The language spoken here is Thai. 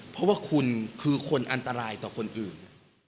เพราะว่าคุณคือคนอันตรายต่อคนอื่น